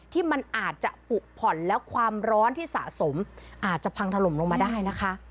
ที่มันอาจจะผุผ่อนแล้วความร้อนที่สะสมอาจจะพังถล่มลงมาได้นะคะ